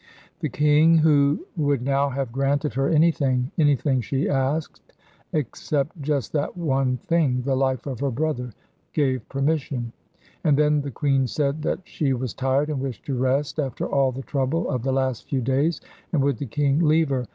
The king, who would now have granted her anything anything she asked, except just that one thing, the life of her brother gave permission; and then the queen said that she was tired and wished to rest after all the trouble of the last few days, and would the king leave her.